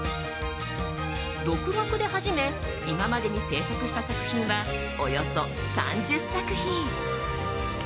独学で始め今までに制作した作品はおよそ３０作品。